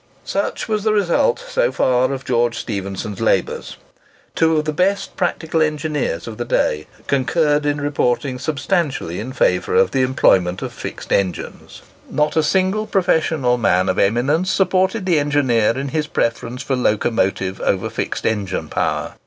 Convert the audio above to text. Such was the result, so far, of George Stephenson's labours. Two of the best practical engineers of the day concurred in reporting substantially in favour of the employment of fixed engines. Not a single professional man of eminence supported the engineer in his preference for locomotive over fixed engine power.